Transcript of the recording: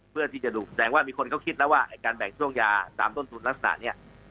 เพื่อที่จะดูแสดงว่ามีคนเขาคิดแล้วว่าการแบ่งช่วงยาตามต้นทุนลักษณะนี้